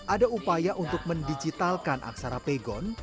ada upaya untuk mendigitalkan aksara pegon